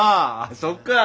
そっか。